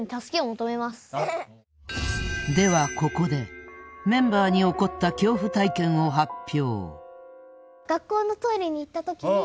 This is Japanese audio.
ではここでメンバーに起こった恐怖体験を発表］